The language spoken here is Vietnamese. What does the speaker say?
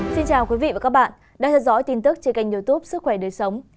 xin chào quý vị và các bạn đang theo dõi tin tức trên kênh youtube sức khỏe đời sống